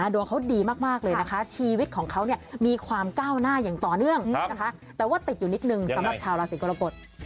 ดวงเขาดีมากเลยนะคะชีวิตของเขามีความก้าวหน้าอย่างต่อเนื่องนะคะแต่ว่าติดอยู่นิดนึงสำหรับชาวราศีกรกฎ